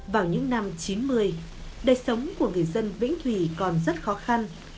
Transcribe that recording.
vào những năm chín mươi đời sống của người dân vĩnh thủy còn rất khó khăn